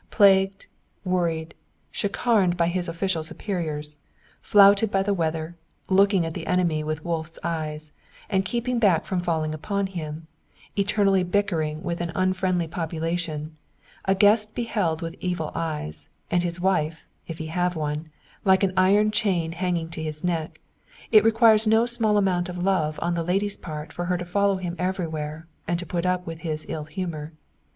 Plagued, worried, chicaned by his official superiors; flouted by the weather; looking at the enemy with wolf's eyes, and kept back from falling upon him; eternally bickering with an unfriendly population; a guest beheld with evil eyes; and his wife (if he have one) like an iron chain hanging to his neck it requires no small amount of love on the lady's part for her to follow him everywhere, and put up with his ill humour.